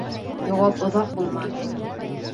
Яуап оҙаҡ булманы.